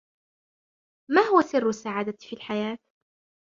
ما هو سر السعادة في الحياة ؟